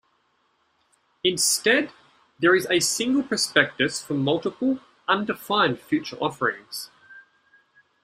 Instead, there is a single prospectus for multiple, undefined future offerings.